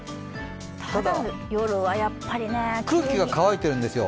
夜はやっぱり空気が乾いているんですよ。